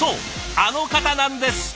あの方なんです。